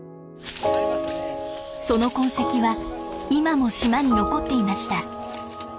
その痕跡は今も島に残っていました。